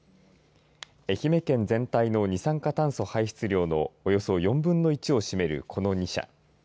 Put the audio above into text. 愛媛県全体の二酸化炭素排出量のおよそ４分の１を占めるこの２社。